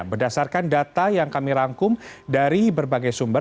berdasarkan data yang kami rangkum dari berbagai sumber